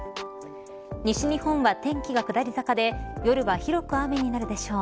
西日本は天気が下り坂で夜は広く雨になるでしょう。